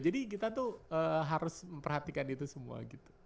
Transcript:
kita tuh harus memperhatikan itu semua gitu